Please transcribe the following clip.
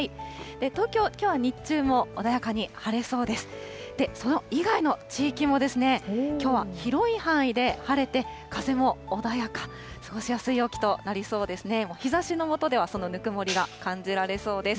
東京、きょうは日中も穏やかに晴れそうです。